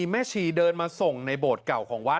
แม่ชีเดินมาส่งในโบสถ์เก่าของวัด